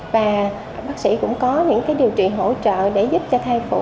và bác sĩ cũng có những điều trị hỗ trợ để giúp cho thai phụ